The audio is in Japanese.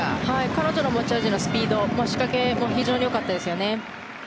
彼女の持ち味のスピード仕掛けも非常に良かったですよね。